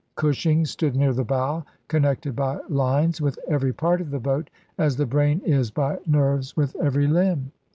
Cushing stood near the bow, connected by lines with every part of the boat as the brain is by nerves with every limb.